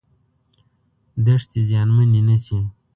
دښتې زیانمنې نشي.